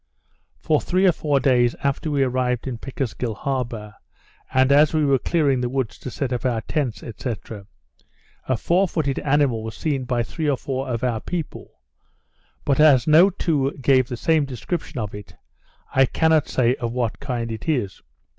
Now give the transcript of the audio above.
For three or four days after we arrived in Pickersgill harbour, and as we were clearing the woods to set up our tents, &c. a four footed animal was seen by three or four of our people; but as no two gave the same description of it, I cannot say of what kind it is.